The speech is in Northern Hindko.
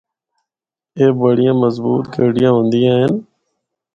اے بڑیاں مضبوط گڈیاں ہوندیاں ہن۔